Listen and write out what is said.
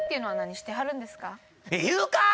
言うかぁ！！